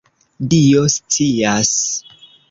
Dio scias!